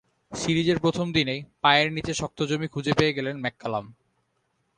সিরিজের প্রথম দিনেই পায়ের নিচে শক্ত জমি খুঁজে পেয়ে গেলেন ম্যাককালাম।